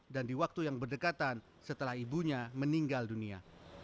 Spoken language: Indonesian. dan di waktu yang berdekatan setelah ibunya meninggal dunia